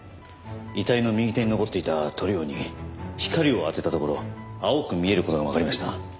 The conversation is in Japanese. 遺体の右手に残っていた塗料に光を当てたところ青く見える事がわかりました。